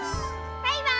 バイバーイ！